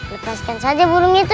lepaskan saja burung itu